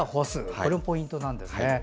これもポイントですね。